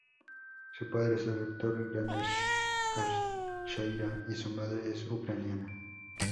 Su padre es el doctor Ganesh Acharya y su madre es ucraniana.